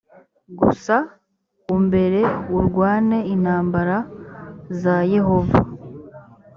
gusa umbere urwane intambara za yehova